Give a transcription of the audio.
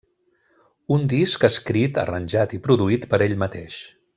Un disc escrit, arranjat i produït per ell mateix.